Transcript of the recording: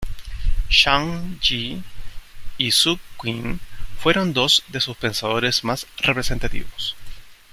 Zhang Yi y Su Qin fueron dos de sus pensadores más representativos.